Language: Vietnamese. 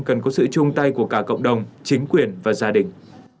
cần có sự chung tay của cả cộng đồng chính quyền và gia đình